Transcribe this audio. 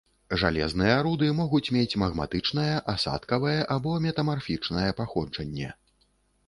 Жалезныя руды могуць мець магматычнае, асадкавае або метамарфічнае паходжанне.